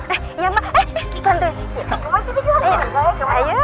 eh iya mbak eh eh tuntun